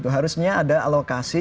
harusnya ada alokasi